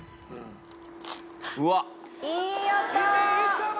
うわっ！